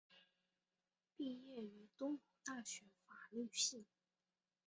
毕业于东吴大学法律系。